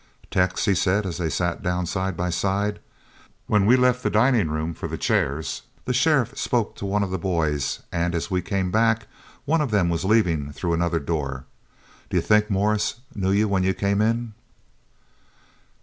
"Tex," he said, as they sat down side by side, "when we left the dining room for the chairs, the sheriff spoke to one of the boys and as we came back one of them was leavin' through another door. D'you think Morris knew you when you came in?"